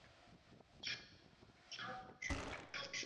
帕莱拉克。